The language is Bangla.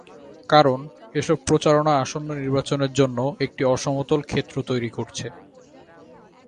কারণ, এসব প্রচারণা আসন্ন নির্বাচনের জন্যও একটি অসমতল ক্ষেত্র তৈরি করছে।